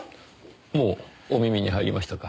もうお耳に入りましたか。